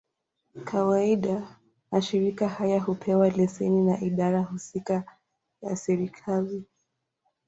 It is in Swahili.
Kawaida, mashirika haya hupewa leseni na idara husika ya serikali.